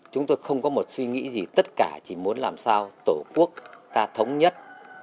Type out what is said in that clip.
chúng tôi không có một suy nghĩ gì tất cả chỉ muốn làm sao tổ quốc ta thống nhất